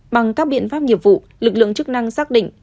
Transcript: bằng các biện pháp nghiệp vụ lực lượng chức năng xác định